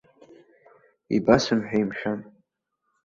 Ибасымҳәеи, мшәан.